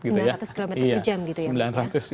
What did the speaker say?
sembilan ratus km per jam gitu ya